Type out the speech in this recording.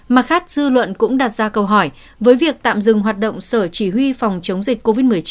mặt khác dư luận cũng đặt ra câu hỏi với việc tạm dừng hoạt động sở chỉ huy phòng chống dịch covid một mươi chín